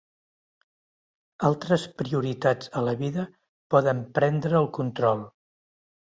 Altres prioritats a la vida poden prendre el control.